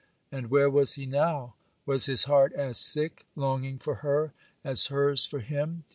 And where was he now? Was his heart as sick, longing for her, as hers for him?